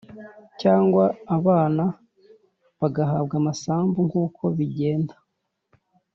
cyangwa abana bagahabwa amasambu nkuko bigenda